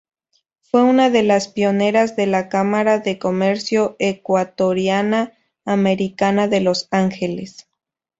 Fue una de las pioneras de la Cámara de Comercio Ecuatoriana-Americana de Los Ángeles.